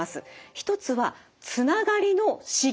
一つは「つながりの資源」。